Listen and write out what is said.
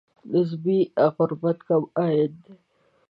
نسبي غربت کم عاید دی.